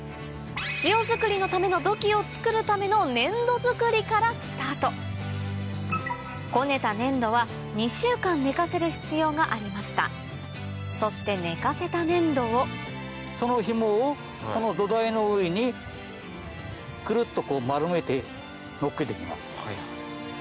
塩づくりのための土器を作るための粘土づくりからスタートこねた粘土は２週間寝かせる必要がありましたそして寝かせた粘土をそのひもをこの土台の上にクルっと丸めてのっけて行きます。